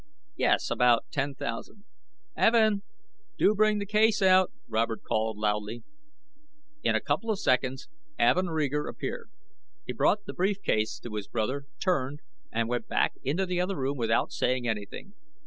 "Yes. About ten thousand." "Evin! Do bring the case out," Robert called loudly. In a couple of seconds, Evin Reeger appeared. He brought the brief case to his brother, turned, and went back into the other room without saying anything.